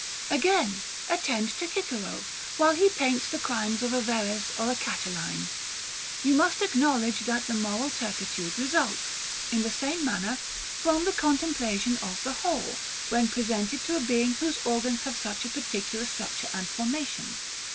Again; attend to Cicero, while he paints the crimes of a Verres or a Catiline. You must acknowledge that the moral turpitude results, in the same manner, from the contemplation of the whole, when presented to a being whose organs have such a particular structure and formation.